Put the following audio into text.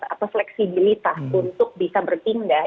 atau fleksibilitas untuk bisa berpindah